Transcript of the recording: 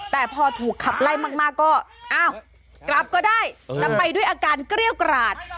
แต่พอถูกขับไล่มากก็อ้าวกลับก็ได้แต่ไปด้วยอาการเกรี้ยวกราด